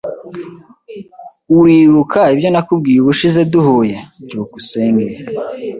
Uribuka ibyo nakubwiye ubushize duhuye? byukusenge